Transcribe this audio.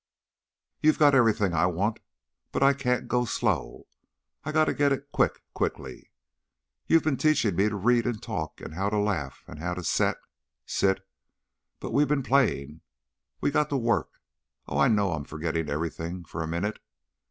You got everything I want, but I can't go so slow; I got to get it quick quickly. You been teaching me to read and talk, and how to laugh, and how to set sit but we been playing. We got to work! Oh, I know I'm forgetting everything for a minute.